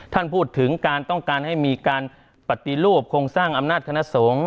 ท่านพูดถึงการต้องการให้มีการปฏิรูปโครงสร้างอำนาจคณะสงฆ์